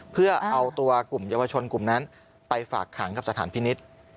เพื่อเอาตัวกลุ่มเยาวชนกลุ่มนั้นไปฝากขังกับสถานพินิษฐ์